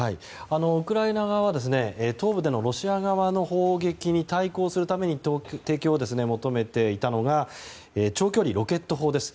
ウクライナ側は東部でのロシア側の砲撃に対抗するために提供を求めていたのが長距離ロケット砲です。